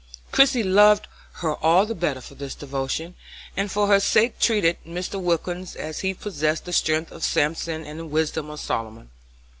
Christie loved her all the better for this devotion, and for her sake treated Mr. Wilkins as if he possessed the strength of Samson and the wisdom of Solomon.